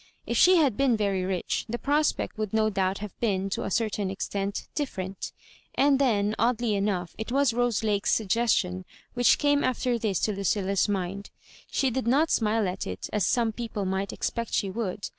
If she had been very rich, the prospect would no doubt have been, to a certain extent, different. And then, oddly enough, it was Rose Lake's suggestion which came alter this to Lu cilia's mind. She did not smile at it as some peo ple might expect she would.